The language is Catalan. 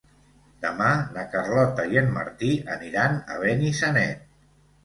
Demà na Carlota i en Martí aniran a Benissanet.